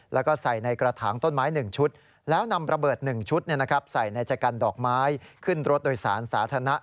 แล้วก็ใส่ในกระถางต้นไม้๑ชุดแล้วนำระเบิด๑ชุดใส่ในใจกันดอกไม้ขึ้นรถโดยสารสาธารณะ